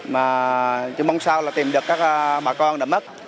mà chỉ mong sao là tìm được các bà con đã mất